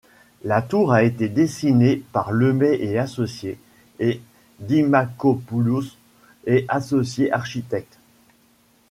La tour a été dessiné par Lemay & Associés et Dimakopoulos et Associés Architectes.